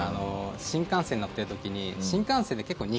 新幹線に乗ってる時に。